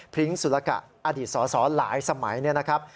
พริ้งสุรกะอดีตสอสอหลายสมัยเนี่ยนะครับ